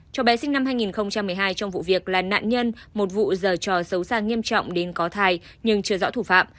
cho bé sinh năm hai nghìn một mươi hai trong vụ việc là nạn nhân một vụ dờ xấu xa nghiêm trọng đến có thai nhưng chưa rõ thủ phạm